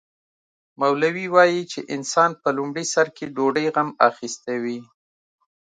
مولوي وايي چې انسان په لومړي سر کې ډوډۍ غم اخیستی وي.